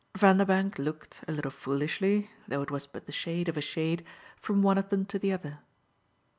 Vanderbank looked a little foolishly, though it was but the shade of a shade, from one of them to the other.